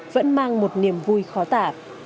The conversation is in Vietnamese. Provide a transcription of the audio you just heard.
vẫn mang một niềm vui khó tả